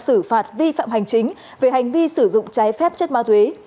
xử phạt vi phạm hành chính về hành vi sử dụng trái phép chất ma túy